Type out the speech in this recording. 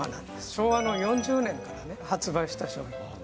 昭和の４０年から発売した。